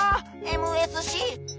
ＭＳＣ！